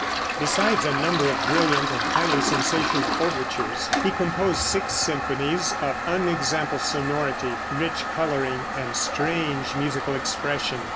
Besides a number of brilliant and highly sensational overtures, he composed six symphonies, of unexampled sonority, rich coloring and strange musical expression.